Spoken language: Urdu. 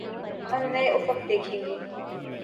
ہم نئے افق دیکھیں گے۔